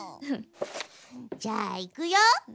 じゃあいくよ！